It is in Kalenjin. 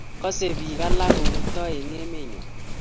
kose biik alak kou too eng' emeng'wang'.